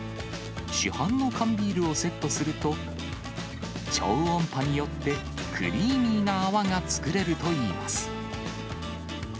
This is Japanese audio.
市販の缶ビールをセットすると、超音波によってクリーミーな泡が作れるといいます。